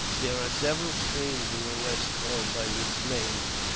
There are several streams in the West called by this name.